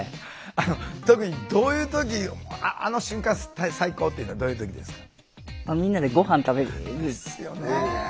あの特にどういう時あの瞬間最高っていうのはどういう時ですか？